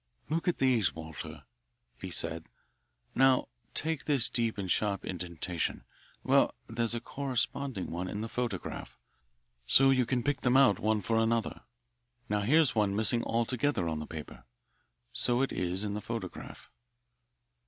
"Look at these, Walter," he said. "Now take this deep and sharp indentation. Well, there's a corresponding one in the photograph. So you can pick them out one for another. Now here's one missing altogether on the paper. So it is in the photograph."